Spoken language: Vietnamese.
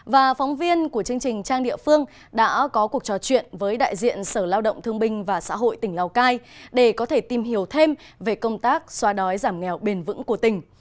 và phóng viên của chương trình trang địa phương đã có cuộc trò chuyện với đại diện sở lao động thương binh và xã hội tỉnh lào cai để có thể tìm hiểu thêm về công tác xóa đói giảm nghèo bền vững của tỉnh